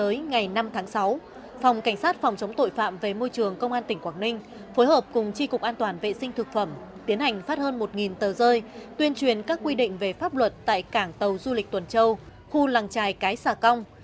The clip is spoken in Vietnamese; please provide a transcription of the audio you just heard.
hưởng ứng ngày môi trường thế giới ngày năm tháng sáu phòng cảnh sát phòng chống tội phạm về môi trường công an tỉnh quảng ninh phối hợp cùng tri cục an toàn vệ sinh thực phẩm tiến hành phát hơn một tờ rơi tuyên truyền các quy định về pháp luật tại cảng tàu du lịch tuần châu khu làng trài cái xà công